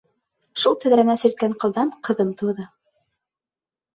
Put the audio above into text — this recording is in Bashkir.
Шул тәҙрәмә сирткән ҡылдан ҡыҙым тыуҙы.